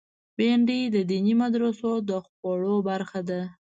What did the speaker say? بېنډۍ د دیني مدرسو د خواړو برخه ده